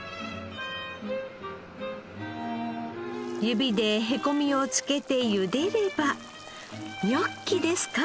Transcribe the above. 指でへこみをつけてゆでればニョッキですか？